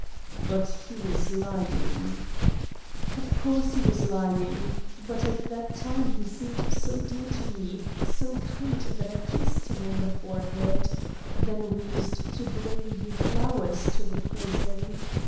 "But he was lying!" "Of course he was lying. But at that time he seemed so dear to me, so kind that I kissed him on the forehead. Then we used to bring you flowers to the prison.